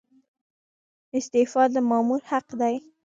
استعفا د مامور حق دی